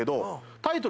タイトル